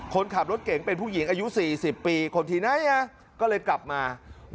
คนขับรถเก๋งเป็นผู้หญิงอายุ๔๐ปีคนที่ไหนก็เลยกลับมา